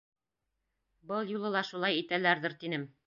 Был юлы ла шулай итәләрҙер, тинем.